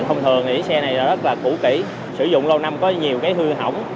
thông thường thì xe này rất là cũ kỹ sử dụng lâu năm có nhiều cái hư hỏng